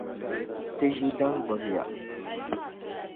Yi ʒi din gbibi ya.